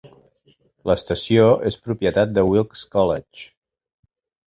L'estació és propietat de Wilkes College.